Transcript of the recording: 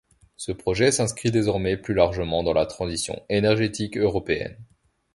Ce projet s'inscrit désormais plus largement dans la transition énergétique européenne.